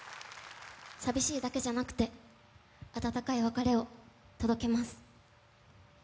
寂しいだけじゃなくて、温かい別れを届けます。